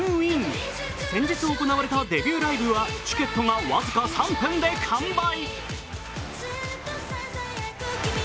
先日行われたデビューライブはチケットがわずか３分で完売。